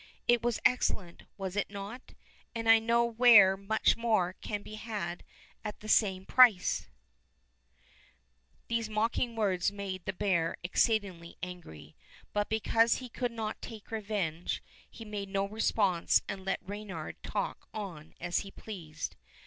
It was excellent, was it not, and I know where much more can be had at the same price." 159 Fairy Tale Bears These mocking words made the bear ex ceedingly angry, but because he could not take revenge, he made no response and let Reynard talk on as he pleased.